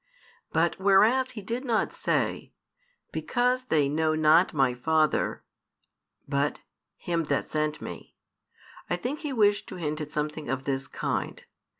|423 But whereas He did not say, Because they know not My Father, but Him that sent Me, I think He wished to hint at something of this kind.